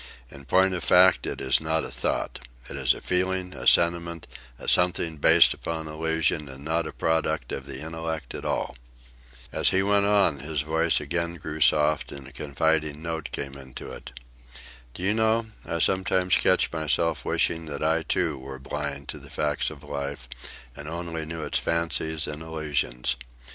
In point of fact, it is not a thought. It is a feeling, a sentiment, a something based upon illusion and not a product of the intellect at all." As he went on his voice again grew soft, and a confiding note came into it. "Do you know, I sometimes catch myself wishing that I, too, were blind to the facts of life and only knew its fancies and illusions.